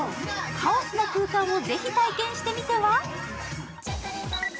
カオスな空間をぜひ体験してみては？